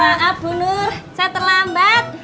maaf hunur saya terlambat